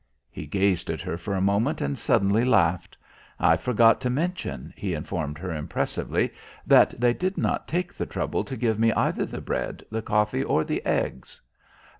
He gazed at her for a moment and suddenly laughed. "I forgot to mention," he informed her impressively, "that they did not take the trouble to give me either the bread, the coffee or the eggs."